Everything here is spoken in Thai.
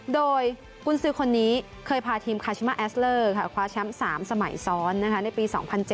โดยกุญสือคนนี้เคยพาทีมคาชิมาแอสเลอร์คว้าแชมป์๓สมัยซ้อนในปี๒๐๐๗